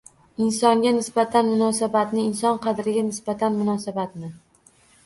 Insonga nisbatan munosabatni. Inson qadriga nisbatan munosabatni.